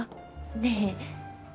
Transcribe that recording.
⁉ねえ